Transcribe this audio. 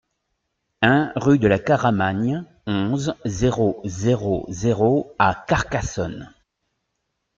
un rue de la Caramagne, onze, zéro zéro zéro à Carcassonne